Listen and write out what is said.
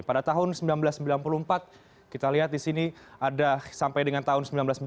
pada tahun seribu sembilan ratus sembilan puluh empat kita lihat di sini ada sampai dengan tahun seribu sembilan ratus sembilan puluh